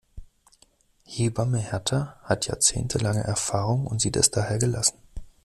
Hebamme Hertha hat jahrzehntelange Erfahrung und sieht es daher gelassen.